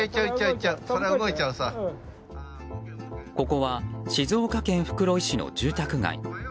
ここは、静岡県袋井市の住宅街。